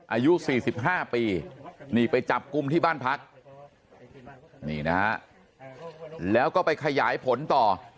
อายุ๔๕ปีนี่ไปจับกลุ่มที่บ้านพักนี่นะฮะแล้วก็ไปขยายผลต่อ